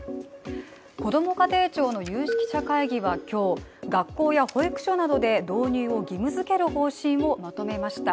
こども家庭庁の有識者会議は今日学校や保育所などで導入を義務づける方針をまとめました。